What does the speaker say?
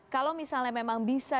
kalau misalnya memang bisa